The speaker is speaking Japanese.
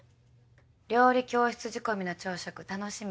料理教室仕込みの朝食楽しみ。